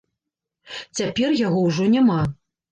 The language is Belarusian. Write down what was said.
Цяпер яго ўжо няма.